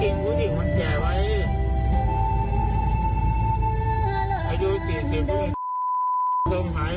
โรงแทรกหายหมดแล้วผู้ใจเนี้ยมันอยู่เนี้ยอยู่อย่างนั้น